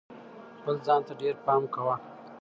خپل ځان ته ډېر پام کوه.